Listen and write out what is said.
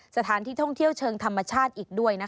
สถานที่ท่องเที่ยวเชิงธรรมชาติอีกด้วยนะคะ